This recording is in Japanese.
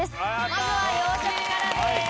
まずは洋食からです。